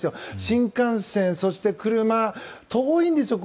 新幹線そして車、遠いんですよ